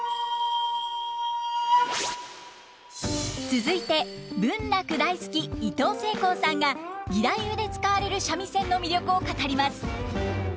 続いて文楽大好きいとうせいこうさんが義太夫で使われる三味線の魅力を語ります。